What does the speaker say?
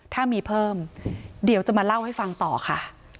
ถ้ามีเพิ่มเดี๋ยวจะมาเล่าให้ฟังต่อค่ะ